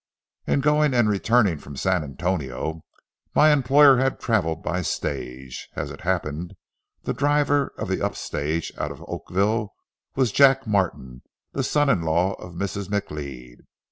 In going and returning from San Antonio my employer had traveled by stage. As it happened, the driver of the up stage out of Oakville was Jack Martin, the son in law of Mrs. McLeod.